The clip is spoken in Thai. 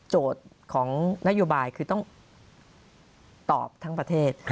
ของนโยบายคือต้องตอบทั้งประเทศ